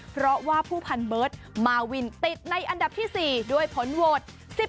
เพราะว่าผู้พันเบิร์ตมาวินติดในอันดับที่๔ด้วยผลโหวต